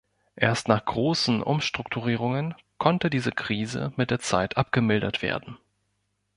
Erst nach großen Umstrukturierungen konnte diese Krise mit der Zeit abgemildert werden.